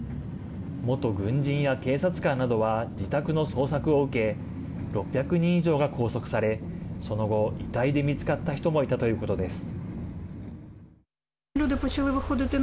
元軍人や警察官などは自宅の捜索を受け６００人以上が拘束されその後、遺体で見つかった人もいたということです。